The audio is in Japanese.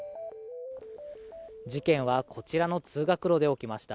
事件はこちらの通学路で起きました。